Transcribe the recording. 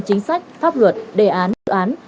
chính sách pháp luật đề án dự án